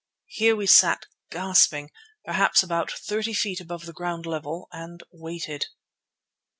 Here we sat gasping, perhaps about thirty feet above the ground level, and waited.